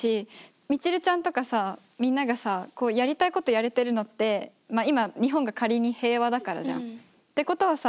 みちるちゃんとかさみんながさこうやりたいことやれてるのって今日本が仮に平和だからじゃん。ってことはさ